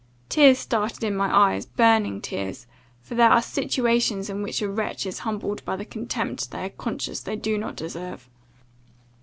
Tears started in my eyes, burning tears; for there are situations in which a wretch is humbled by the contempt they are conscious they do not deserve.